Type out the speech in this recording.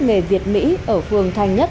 nghề việt mỹ ở phường thành nhất